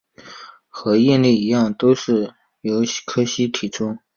和应力一样都是由柯西提出。